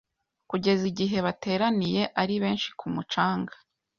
Kugeza igihe bateraniye ari benshi ku mucanga